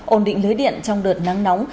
ổn định lưới điện trong đợt nắng nóng